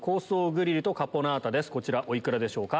こちらお幾らでしょうか？